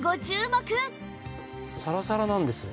サラサラなんです。